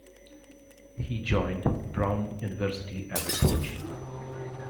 He joined Brown University as a coach.